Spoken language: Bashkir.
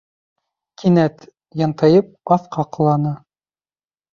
Кинәт, янтайып, аҫҡа ҡоланы.